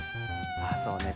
ああそうね